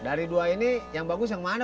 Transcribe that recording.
dari dua ini yang bagus yang mana